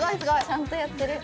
ちゃんとやってる。